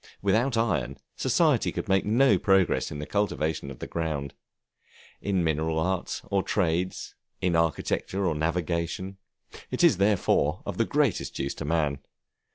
Without iron, society could make no progress in the cultivation of the ground, in mechanical arts or trades, in architecture or navigation; it is therefore of the greatest use to man.